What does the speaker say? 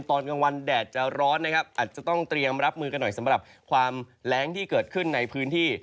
ตอนกลางวันแดดจะร้อนนะครับอาจจะต้องเตรียมรับมือกันหน่อยสำหรับความแรงที่เกิดขึ้นในพื้นที่